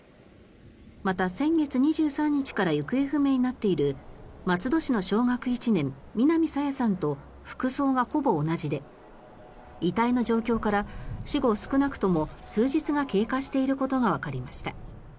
また、先月２３日から行方不明になっている松戸市の小学１年、南朝芽さんと服装がほぼ同じで遺体の状況から死後少なくとも数日が経過していることがわかりました。